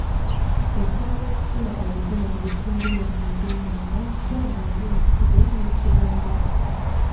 Osobola okufuna obuvune mu bitundu byabwe eby'omunda, gamba ng’ensigo n’ekibumba.